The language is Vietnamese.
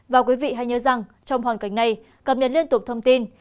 và quý vị hãy nhớ rằng trong hoàn cảnh này cập nhật liên tục thông tin